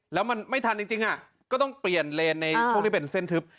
แล้วมันไม่ทันจริงก็ต้องเปลี่ยนเลนในช่วงที่เป็นเส้นทึบ